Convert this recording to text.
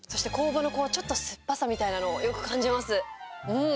うん！